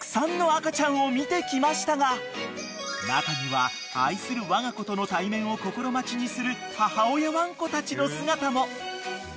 ［見てきましたが中には愛するわが子との対面を心待ちにする母親ワンコたちの姿も］